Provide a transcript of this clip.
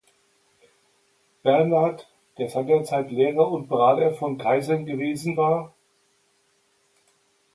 Bernward, der seinerzeit Lehrer und Berater von Kaisern gewesen war.